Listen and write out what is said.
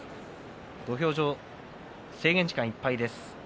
土俵上、制限時間いっぱいです。